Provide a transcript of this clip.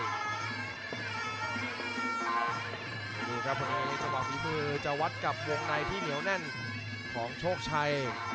ดูครับวันนี้จังหวะฝีมือจะวัดกับวงในที่เหนียวแน่นของโชคชัย